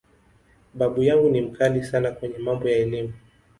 Baba yangu ni ‘mkali’ sana kwenye mambo ya Elimu.